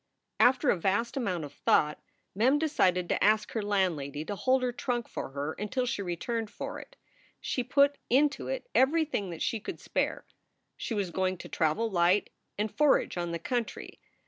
After a vast amount of thought Mem decided to ask her landlady to hold her trunk for her until she returned for it. She put into it everything that she could spare. She was going to travel light and forage on the country.